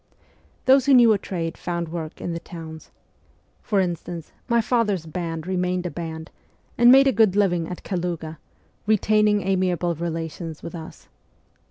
Those who knew a trade found work in the towns : for instance, my father's band remained a band, and made a good living at Kaluga, retaining amiable relations with us.